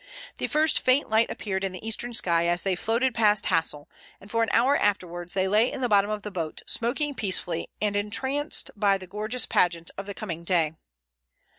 The first faint light appeared in the eastern sky as they floated past Hassle, and for an hour afterwards they lay in the bottom of the boat, smoking peacefully and entranced by the gorgeous pageant of the coming day.